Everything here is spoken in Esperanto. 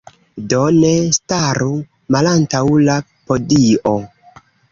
Do, ne staru malantaŭ la podio.